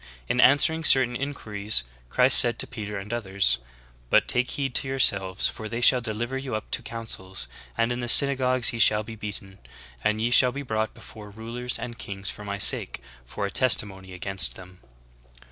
In answering certain inquiries Christ said to Peter and others : "But take heed to yourselves : for they shall deliver you up to councils; and in the synagogues ye shall be beaten ; and ye shall be brought before rulers and kings for my sake for a testimony against them."